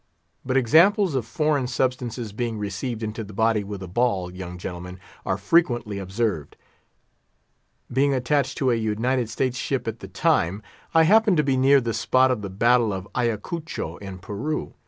But examples of foreign substances being received into the body with a ball, young gentlemen, are frequently observed. Being attached to a United States ship at the time, I happened to be near the spot of the battle of Ayacucho, in Peru.